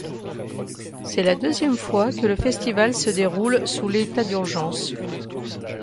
C'est la deuxième fois que le Festival se déroule sous l'état d'urgence.